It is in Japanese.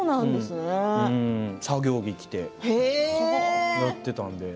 作業着、着てやっていたので。